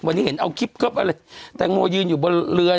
วันนี้เห็นเอาคลิปเคิบอะไรแตงโมยืนอยู่บนเรือ